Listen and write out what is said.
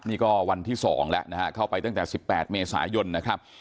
นี่ก็วันที่๒แล้วนะฮะเข้าไปตั้งแต่๑๘เมษายนนะครับ